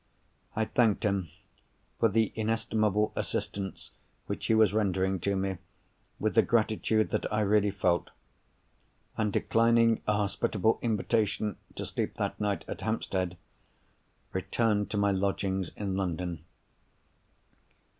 I thanked him for the inestimable assistance which he was rendering to me, with the gratitude that I really felt; and, declining a hospitable invitation to sleep that night at Hampstead, returned to my lodgings in London.